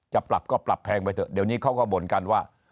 จะปรับก็ปรับแพงไปเถอะเดี๋ยวนี้เขาก็บ่นกันว่า